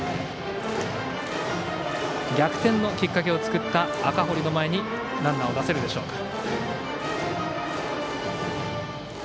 逆転のきっかけを作った赤堀の前にランナーを出せるでしょうか。